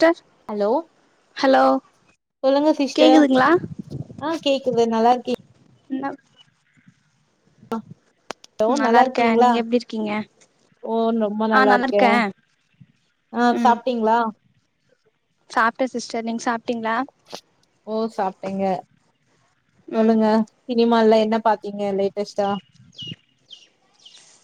டர் hello hello சொல்லுங்க sister கேக்குதுங்களா ஆ கேக்குது நல்லாருக்கி இன்னப் லோ நல்லா இருக்கே நல்லாருக்கீங்ளா நீங்க எப்டி இருக்கீங்க ஓ நொம்ப ஆ நல்லா நல்லார்க்கே இருக்கே ஆ சாப்ட்டீங்ளா சாப்ட சிஸ்டர் நீங்க சாப் ஓ சாப்டேங்க ம் சொல்லுங்க சினிமால்ல என்ன பாத்தீங்க லேட்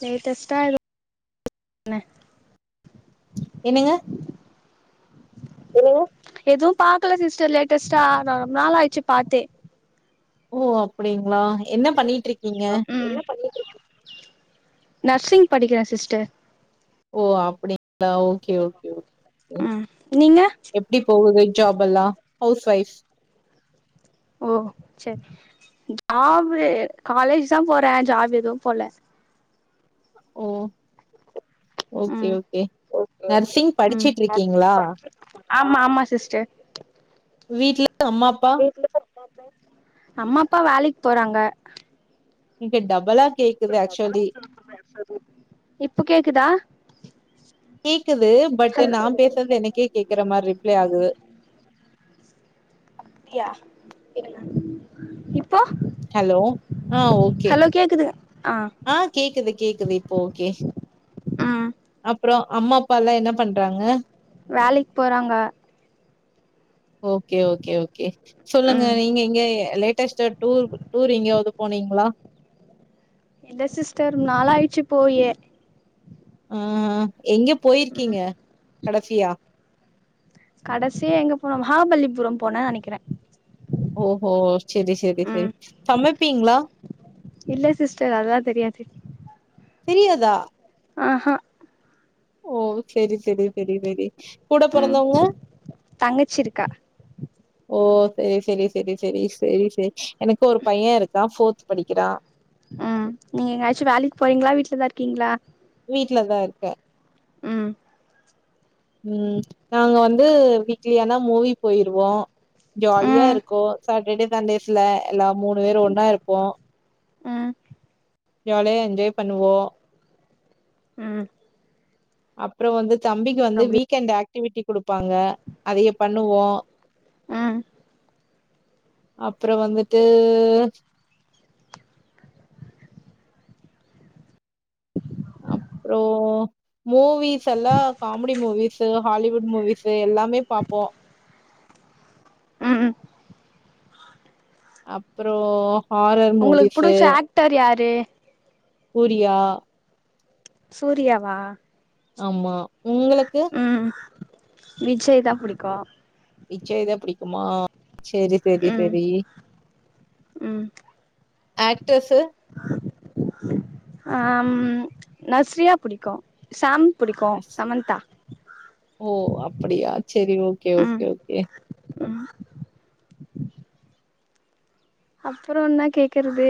லேட்டஸ்டா எது [unintelligible] என்னங்க என்னங்க எதுவு பாக்கல சிஸ்டர் லேட்டஸ்டா நா நொம் நாளாயிச்சி பாத்தே ஓ அப்டிங்ளா என்ன பண்ணிட்ருக்கீங்க ம் நர்சிங் படிக்ற சிஸ்டர் ஓ அப்டிங்ளா ஓகே ஓகே ஓகே ம் நீங்க எப்டி போகுதே ஜாப்பெல்லா ஹவுஸ் வைஃப் ஓ சேரி ஜாபு காலேஜ்தா போறே ஜாப் எது போல ஓ ஓகே ம் ஓகே நர்சிங் ம் படிச்சிட்ருக்கீங்ளா ஆமா ஆமா சிஸ்டர் வீட்ல அம்மாப்பா அம்மாப்பா வேலைக் போறாங்க இங்க டபளாக் இங்க டபளா கேக்கு பேசறது இப்ப கேக்குதா கேக்குது பட்டு ஹலோ நா பேசறது எனக்கே கேக்கற மார் ரிப்ளே ஆகுது பியா இருங்க இப் ஹெலோ ஆ ஓகே ஹலோ கேக்குது ஆ கேக்குது கேக்குது இப் போ ஓகே ம் அப்றோ அம்மா அப்பாலா என்ன பண்றாங்க வேலைக் போறாங்க ஓகே ஓகே ஓகே சொல்லுங்க ம் நீங்க எங்கியா லேட்டஸ்டா டூர் டூர் எங்கியாவது போனீங்ளா இல்ல சிஸ்டர் நாளாயிடுச்சி போயே ஆ எங்க போய் ம் இருக்கீங்க கடைசியா கடசியா எங்க போனே மகாபலிபுரம் போனே நெனைக்கிற ஓஹோ சேரி சேரி சேரி சமைப்பீங்ளா அ அதுதா தெரியாது தெரியாதா ஆஹா ஓ செரி செரி செரி செரி கூட ம் பொறந்தவங்க தங்கச்சி இருக்கா ஓ சேரி சேரி சேரி சேரி சேரி சேரி எனக்கு ஒரு பைய இருக்கா ஃபோர்த் படிக்கிறா அ நீங்க எங்கயாச்சு வேலைக்கு போறீங்களா வீட்லதா இருக்கீங்களா வீட்லதா இருக்க ம் ம் நாங்க வந்து வீக்லியானா மூவி போய்ருவோ ஜாலியா ம் இருக்கு சட்டடே சண்டேஸ்ல ல மூணு பேரு ஒன்னா இருப்போ ம் ஜாலியா என்ஜாய் பண்ணுவோ ம் அப்றோ வந்து தம்பிக்கு வந்து அப்டி வீக்கெண்ட் அக்டிவிட்டி குடுப்பாங்க அதைய பண்ணுவோ ம் அப்றோ வந்துட்டு அப்றோ மூவிஸ் எல்லா காமெடி மூவிசு ஹாலிவுட் மூவிசு எல்லாமே பாப்போ ம் ம் அப்றோ ஹாரர் உங்களுக்கு மூவிசு புடிச்ச ஆக்டர் யாரு சூரியா சூர்யாவா ஆமா உங்களுக்கு ம் விஜய் தா புடிக்கு விஜய் தா பிடிக்குமா சேரி சேரி ம் சேரி ம் ஆக்டர்ஸு ஆம் நஸ்ரியா புடிக்கு சேம் நஸ் ஓ அப்படியா சேரி ஓகே ம் ஓகே ஓகே ம் அப்றோ என்ன கேக்குறது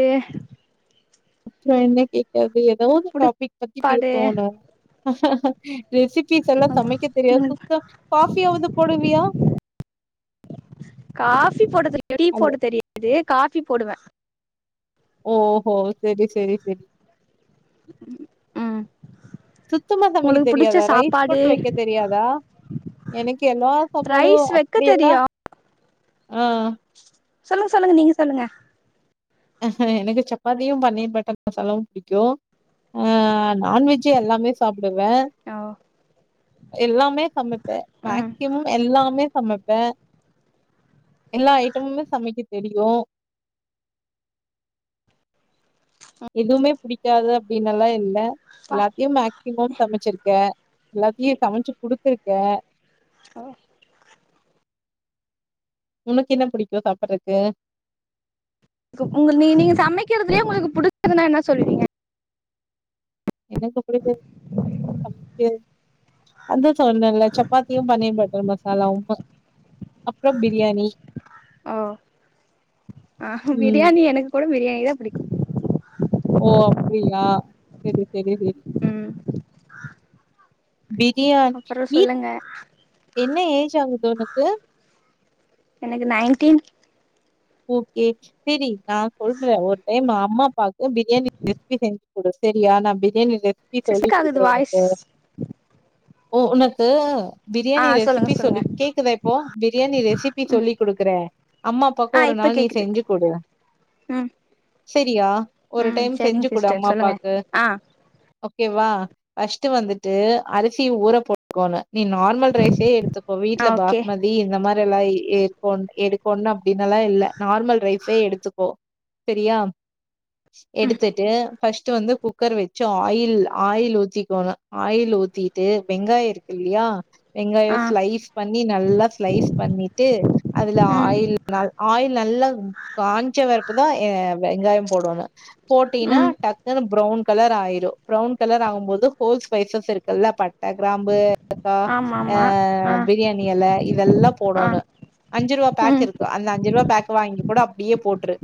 அப்றோ என்ன கேக்கறது ஏதாவது புடி டாபிக் பத்தி பாடு பேசுவோனா ரெசிபிஸ் எல்லா சமைக்க தெரியா உனக்கு சுத்தோ காஃபியாது போடுவியா காஃபி போட தெரி டீ அல்ல. போட தெரியாது காஃபி போடுவ ஓ ஓ சேரி சேரி சேரி ம் சுத்தமா சமைக்க உங்களுக்கு புடிச்ச தெரியாதா ரைஸ் கூட சாப்பாடு வெக்க தெரியாதா எனக்கு எல்லா சாப்பாடு ரைஸ் வெக்க அப்டியேல்லா தெரியு ஆ சொல்லுங்க சொல்லுங்க நீங்க சொல்லுங்க எனக்கு சப்பாத்தியு பன்னீர் பட்டர் மசாலாவு புடிக்கு அ நான்வெஜ் எல்லாமே சாப்புடுவே ஓ எல்லாமே சமைப்பே ம் மேக்சிமம் எல்லாமே சமைப்பே எல்லா ஐட்டமுமே சமைக்க தெரியு எதுவுமே புடிக்காது அப்டினெல்லா இல்ல ப்பா எல்லாத்தையு மேக்சிமம் சமைச்சிருக்கே எல்லாத்தையு சமைச்சி குடுத்திருக்கே ஓ உனக்கென்ன புடிக்கு சாப்பட்றக்கு கு உங்க நீ நீங்க சமைக்கறதுலே உங்களுக்கு புடிச்சதுன்னா என்ன சொல்வீங்க எனக்கு புடிச்சது சமைக்கற அது சொன்னல்ல சப்பாத்தியு, பன்னீர் பட்டர் மசாலாவுமு அப்றோ பிரியாணி ஓ ஆஹ ம். பிரியாணி எனக்கு கூட பிரியாணி தா புடிக்கு ஓ அப்டியா செரி செரி செரி ம் பிரியாண் அப்புறோ வீட் சொல்லுங்க என்ன ஏஜ் ஆகுது உனக்கு எனக்கு நைன்டீன் ஓகே செரி நா சொல்றே ஒரு டைம் அம்மா, அப்பாக்கு பிரியாணி ரெஸ்ப்பி செஞ்சி குடு செரி யா நா பிரியாணி ரெஸ்ப்பி சொல்லி சிஸ்டர் ஆகுது குடுக்கறே வாய்ஸ் உனக்கு ஓ உனக்கு ஆ பிரியாணி சொல்லுங்க ரெசிப்பி சொல்லி சொல்லுங்க கேக்குதா இப்போ பிரியாணி ரெசிப்பி ம் சொல்லி குடுக்கறே அம்மா பாக்கு ஆ ஒரு இப்ப நாள் நீ கேக்குது செஞ்சி குடு ம் செரியா ஒரு ம் டைம் செஞ்சி சரிங்க குடு அம்மா சிஸ்டர் சொல்லுங்க அப்பாக்கு ஆ ஓகேவா ஃபஸ்ட்டு வந்துட்டு அரிசி ஊற போட்க்கோனு நீ நார்மல் ரைஸே எடுத்துக்கோ ஆ வீட்ல ஓகே பாஸ்மதி இந்த மாரில்லா இ எட் கோன் எடுக்கோனு அ ப்டின்னல்லா இல்ல நார்மல் ரைஸே எடுத்துக்கோ செரியா ம் எடுத்துட்டு ஃபஸ் ட்டு வந்து குக்கர் வெச்சு ஆயில் ஆயில் ஊத்திக்கோணு ஆயில் ஊத்திட்டு வெங்காயோ இருக்கில்லியா வெங்காயோ ஆ ஸ்லைஸ் பண்ணி நல்லா ஸ்லைஸ் பண்ணிட்டு அதுல ம் ஆயில் நல் ஆயில் நல்லா காஞ்ச வெறப்புதா எ வெங்காயோ போடோனு போட்டீனா ம் டக்குனு ப்ரவுன் கலர் ஆயிரு ப்ரவுன் கலர் ஆகும் போது ஹோல் ஸ்பைசஸ் இருக்குல்ல பட்ட, கிராம்பு, லக்கா ஆமா ஆமா ஆ பிரியாணி எல இதெல்லா ஆ போடோனு அஞ்சுருவா பேக் ம் இருக் அந்த அஞ்சுருவா பேக் வாங்கி கூட அப்டியே போட்ரு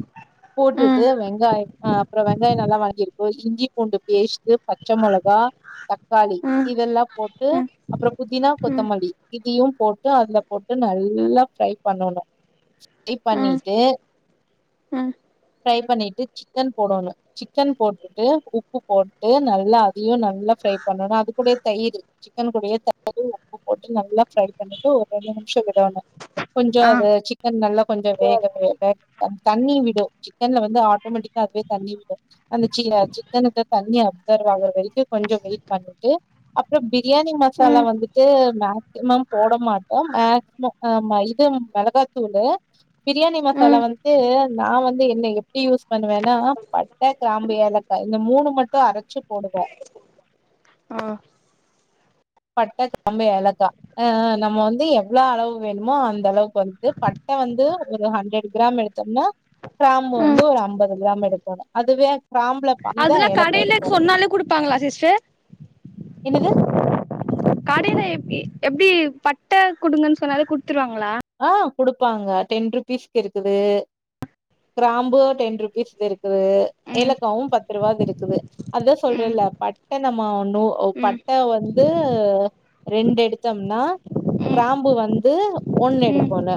போட்டுட்டு ம் வெங்காய ஆ அப்றோ வெங்காயோ நல்லா வணங்கிரு இப்போ இஞ்சி பூண்டு பேஸ்ட்டு, பச்ச மொளகா, தக்காளி ம் இதெல்லா போட்டு ம் அப்றோ புதினா, ம் கொத்தமல்லி இதையு போட்டு அதுல போட்டு நல்லா ஃப்ரை பண்ணோனு [inaudible] ரை ம் பண்ணிட்டு ம் ஃப்ரை பண்ணிட்டு சிக்கன் போடோனு சிக்கன் போட்டுட்டு உப்பு போட்டு நல்லா அதையு நல்லா ஃப்ரை பண்ணோனு அதுக்கூடயே தயிரு, சிக்கனு கூடயே தயிரு உப்பு போட்டு நல்லா ஃப்ரை பண்ணிட்டு ஒரு ரெண்டு நிம் ஷோ விடோனு கொஞ்சோ ஆ அது சிக்கன் நல்லா கொஞ்சோ வேக வேக அந் தண்ணி விடு சிக்கன்ல வந்து ஆட்டோமெட்டிக்கா அதுவே தண்ணி விடு அந்த சீல சிக்கன்லர்ந்து தண் ணி அப்சர்வ் ஆகற வரிக்கு கொஞ்சோ வெயிட் பண்ணிட்டு அப்றோ பிரியாணி மசாலா ம் வந்துட்டு மேக் சிமம் போட மாட்டோ மேக்ஸ்மோ ஆமா இது மிளகாத் தூளு பிரியாணி மசாலா ம் வந்து நா வந்து என்ன எப்டி யூஸ் பண்ணுவேனா பட்ட கிராம்பு, ஏலக்கா இந்த மூணு மட்டு அரச்சு போடுவே ம் பட்ட, கிராம்பு, ஏலக்கா ஆ ஆ நம்ம வந்து எவ்ளோ அளவு வேணுமோ அந்தளவுக் வந்து ப ட்ட வந்து ஒரு ஹண்ட்ரெடு கிராம் எடுத்தம்னா கிராம்பு ம் வந்து ஒரு அம்பது கிராம் எடுக்கோணு அதுவே கிராம்புல பகுதி தா அதெல்லா ஏலக்கா கடையில எடுக்கோ சொன்னாலே குடுப்பாங்களா சிஸ்டர் என்னது கடைல எப் இ எப்டி பட்ட குடுங்கன் சொன்னாலே குடுத்துருவாங்ளா ஆ குடுப்பாங்க டென் ருபீஸ்க்கிருக்குது கிராம்பு டென் ருபீஸ் இருக் குது ம் ஏலக்காவு பத்து ருவாக் இருக்குது அதா ம் சொல்றேல்ல பட்ட நம்ம வந் னு ஓ ம் பட்ட வந்து து ரெண்டெடுத்தம்னா ம் கிராம்பு வந்து ம் ஒன்னெடுக்கோனு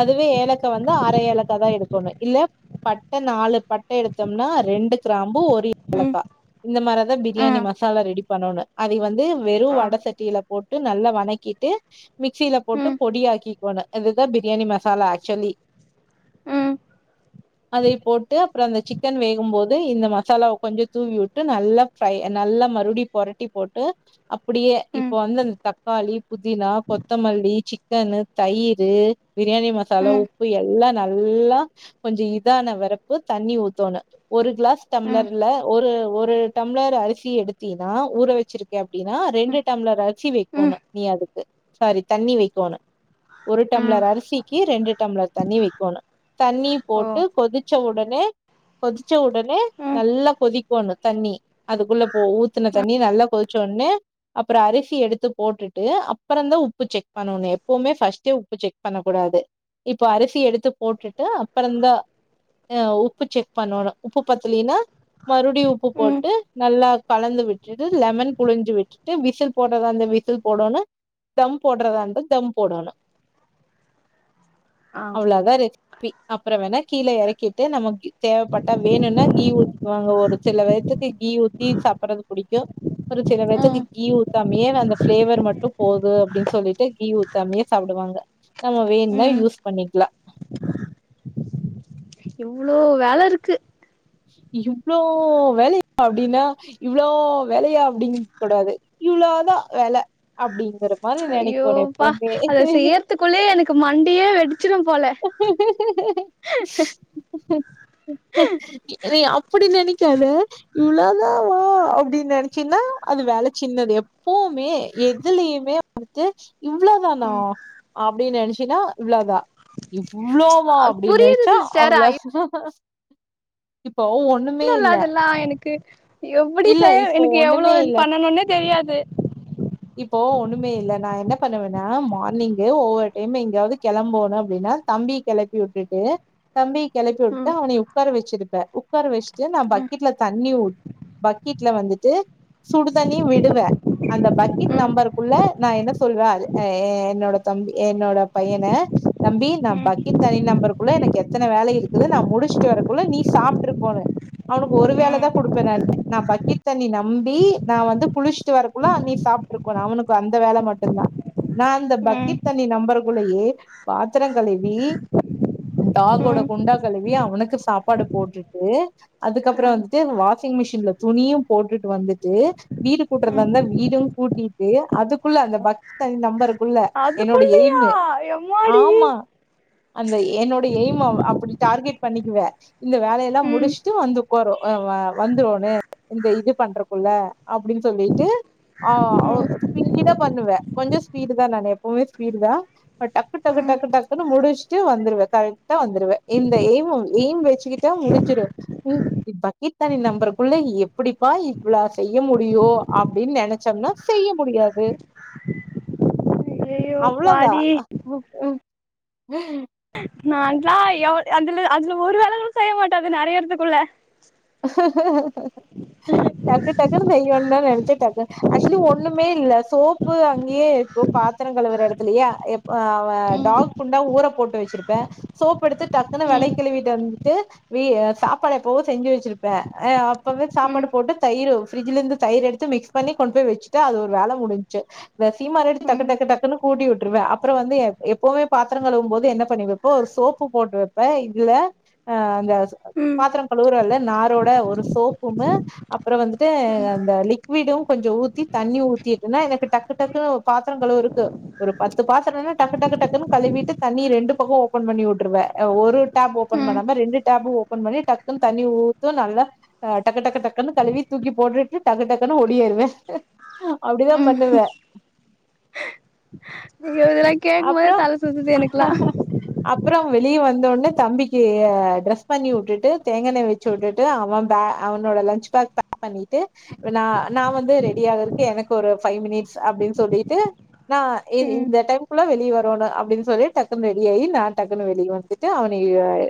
அதுவே ஏலக்கா வந்து அர ஏலக்கா தா எடுக்கோனு இல்ல பட்ட நாலு பட்ட எடுத்தம்னா ரெ ண்டு கிராம்பு ஒரு ம் ஏலக்கா இந்த மாரதா பிரியாணி ம் மசாலா ரெடி பண்ணோனு அதய வந்து வெறு ஆ வட சட்டில போட்டு நல்லா வணக்கிட்டு மிக்சில போட்டு ம் பொடியாக் கிகோனு இது தா பிரியாணி மசாலா ஆக்ஸுலி ம் அதயு போட்டு அப்புற அந்த சிக்கன் வேகும்போது இந்த மசாலாவ கொஞ்ச தூவி விட்டு நல்லா ஃப்ரை ந ல்லா மறுபுடியு பொரட்டி போட்டு அப்படியே இப்ப ம் வந்து அந் தக்காளி புதினா கொத்தமல் லி சிக்கனு தயிரு பிரியாணி மசாலா ம் உப்பு எல்லா நல்லா கொஞ்ச இதான வரப்பு ச தண்ணி ஊத்தோணு ஒரு கிளாஸ் ம் ம் டம்ளர்ல ஒரு ஒரு டம்ளர் அரிசி எடுத்தினா ஒரு வச்சிருக்கே அப்டினா ரெண்டு ம் டம்ளர் அரிசி ம் வக்கோனு நீ அதுக்கு சாரி தண்ணி வக்கோனு ஒரு ம் டம்ளர் அரிசிக்கு ரெண்டு டம்ளர் தண்ணி வக்கோனு தண்ணி போட்டு ம் கொதிச்ச உடனே கொதிச்ச உடனே நல்லா கொதிக்கோணு தண்ணி அதுக்குள்ள போ ஊத்துன தண்ணி நல்லா கொதிச்சோ னு அப்பற அரிசி எடுத்து போட்டுட்டு அப்பற தா உப்பு செக் பண்னோனே ப்போமே ஃபர்ஸ்ட்டே உப்பு செக் பண்ண கூடாது இப்போ அரிசி எடுத்து போட்டுட்டு அப்பறந்தா அ உப்பு செக் பண்ணோனு உப்பு பத்தலேனா மறுபடியு உப்பு ம் போட்டு நல்லா கலந்து விட்டுட்டு லெமன் புழிஞ்சு விட்டுட்டு விசில் போட்றதா இருந்தா விசில் போடோனு தம் போடுறதா இருந்தா தம் போடணு அவ்ளோதா ரே பி அப்புற வேணா கீழே இறக்கிட்டு நம தேவபட்டா வேணுனா கீ ஊத்துவாங்க ஒரு சில வே த்துக்கு கீ ஊத்தி சாப்டுறது புடிக்கு ஒரு சிற வேசதி கீ ஊத்தாமயே நா அந்த பிளேவர் மட்டு போது அப்டினு சொல்லிட்டு கீ ஊ தமையே சாப்டுவாங்க நம்ம வேணுனா ம் யூஸ் பண்ணிக்லா இவ்ளோ வேல இருக்கு இவ்ளோ வேல அப்டினா இவ்ளோ வேலையா அப்டிங் கூடாது இவ்ளோதா வேலை அப்டி ற மாரி நினக்கோனு ஐயோப்பா எப்போமே அத செய்யறதுக்குள்ளயே எனக்கு மண்டியே வெடிச்சிரும் போல என்னய அப்டி நினைக்காத இவ்ளதா ம் அப்டினு நினச்சினா அது வேல சின்னது எப்போமே எதுலயுமே அடுத்து இவ்ளோதானா ம் அப்டினு நெனச்சினா இவ்ளோதா இவ்ளோவா அப்டின் புரியுது நினச்சா சிஸ்டர் அவ்ளோ ஐயோ இப்போ ஒண்ணுமே ன்னு இல்ல அதுலா எனக்கு எப்டி இல்ல செய்ய இப்போ எனக்கு எவ்ளோ ஒண்ணுமே இல்ல பண்ணணுனே தெரியாது இப்போ ஒண்ணுமே இல்ல நா என்ன பண்ணுவனா மார்னிங்கு ஒவ்வொரு டைம் எங்கயாவது கிளம்போணு அப்டினா த தம்பிய் கிளப்பி விட்டுட்டு தம்பி கிளப்பி விட்டு ம் அவனைய உக்கார வச்சிருப்பே உக்கார வச் ட்டு நா ம் பக்கெட்ல தண்ணி ஊ பக்கெட்ல வந்துட்டு சுடு தண்ணி விடுவே அந்த பக்கெட் ம் நம்பருக்குள்ள நா என்ன சொல்வே அ என்னோட தம் என்னோட பையன தம்பி நா ம் பக்கெட் தனி நம்பருக்குள்ள எனக்கு எத்தன வேல இருக்குது நா முடுச்சுட்டு வரதுக்குள்ள நீ ஸ் சாப்ட்ருப்போனு அவனுக்கு ஒரு வேளதா ம் குடுப்பே நானு நா பக்கீட் தண்ணி நம்பி நா வந்து குளுச்ட்டு வரக்குள்ள நீ சா சாப்ட்ருக்கோணு அவனுக்கு அந்த வேல மட்டுந்தா நா அந்த ம் பக்கீ்ட் தண்ணி நெம்பரகுள்ளேயே பாத்திர கழுவி ம் டாகோட குண்டா கழுவி அவனுக்கு சாப்பாடு போட்டுட்டு அதுக்கப்புற ம் வந்துட்டு வாஷிங் மிஷின்ல துணியு போட்டுட்டு வந்துட்டு வீடு கூட்றதா ம் இருந்தா வீடு கூட்டிட்டு அதுக்குள்ள அந்த பக்த நம்பறக் குள்ள என்னோட அதுக்குள்ளயா எய்மு எம்மாடி ஆமா அந்த என்னோட எய்ம அப்டி டார்கெட் பண்ணிக்குவே இந்த வேலயெல்லா ம் முடுச்ட்டு வந்து உக்காரு அ வ வந்துருவோனே இந்த இது பண்றக்குள்ள அப்டின் சொல்லிட்டு ஆ ஒ ம் ஸ்பீடா பண்ணுவே கொஞ்ச ஸ்பீடு தா நானு எப்பவுமே ஸ்பீடு தா ப டக்கு டகு ம் டக்கு டக்குன்னு முடிச்ட்டு வந்துருவே கரெக்டா வந்துருவே இந்த எய்ம் எய்ம் வச்சுக்கிட்டா முடிச்சிரு ம் இ பக்கெதண்ணி நம்பருக்குள்ள எப்டிப்பா இவ்ளா செய்ய முடியு அப்டின் நெனச்ச நா செய்ய முடியாது ஐயையோ அவ்ளோதா பாடி நா தா எவ்ளோ அதுல அதுல ஒரு வேலைகளூ செய்ய மாட்டாது நெறைய எடத்துக்குள்ள டக்கு டக்குன்னு செய்யனு தா நெனச்சே டக்கு ஆச்சுவலி ஒண்ணுமே இல்ல சோப்பு அங்யே இருக்கு பாத்துர கழவுற எடத்துலயே ஆ டாக் குண்டா ஊற போட்டு வச்சிருப்பே சோப் எடுத்து டக்குன்னு ம் வெளக் கழுவிட்டு வந் ட்டு சாப்பாட எப்போவோ செஞ்சு வச்சு ப்பே அப்பவே சாப்பாடு ம் போட்டு தயிரு ஃப்ரிட்ஜ்ல இருந்து தயிரு எடுத்து மிக்ஸ் பண்ணி கொண்ட் போய் வச்சுட்டு அது ஒரு வே ல முடுன்ச்சு இந்த சீமார எடுத்து ம் டக்குடக்கு டக்குன்னு கூட்டி உட்டுருவே அப்புறோ வந்து எப்பவுமே பாத்துரோ கழுவு போது என்ன பண்ணி வைப்போ ஒரு சோப்பு போட்டு வைப்பே இல்ல அந்த ம் ம் பாத்ர கழுவுரேல நாரோட ஒரு சோப்பு ஒன்னு அப்புறோ வந்துட்டு அந்த லிக்விடு கொஞ்சோ ஊத்தி தண்ணி ஊ த்தி வக்கேனா எனக்கு டக்கு டக்கு பாத்ரம் கழுவ இருக்கு ஒரு பத்து பாத்ரம்னா டக்கு டக்கு டக்குன்னு கழுவிட்டு தண்ணி நீ ரெண்டு பக்கோ ஓபன் பண்ணி உட்ருவே ஒரு டேப் ஓபன் ம் ம் பண்ணாம ரெண்டு டேபூ ஓபன் பண்ணி டக்குன் தண்ணி ஊ த்து நல்லா டக்கு டக்கு டக்குன்னு கழுவி தூக்கி போட்டுட்டு டக்கு டக்குன்னு ஓடியறுவே அப்டிதா ம் பண்ணுவே இதெல்லா கேட்கும் போது தல சுத்துது எனக்குலா அப்புறோ வெளியே வந்தோன்னே தம்பிக்கு ட்ரெஸ் பண்ணி உட்டுட்டு தேங்கண்ண வ ச்சு வுட்டுட்டு அவன் பேக் அவனோட லன்ச் பேக் பேக் பண்ணிட்டு நா நா வந்து ரெடி ஆகுறதுக்கு எனக் ஒரு பைவ் மினிட்ஸ் அப்டின் சொல்லிட்டு நா இ ம் இந்த டைம்க்குள்ள வெளியே வரனு அப்டின் சொல்லி டக்குனு ரெடி ஆயி நா டக்குனு வெளியே வந்துட்டு அவன